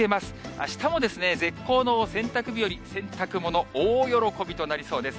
あしたも絶好の洗濯日和、洗濯物大喜びとなりそうです。